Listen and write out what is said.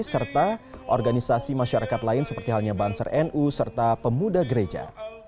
serta organisasi masyarakat lain seperti halnya banser nu serta pemuda gereja